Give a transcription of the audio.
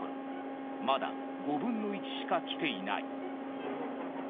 まだ５分の１しか来ていない。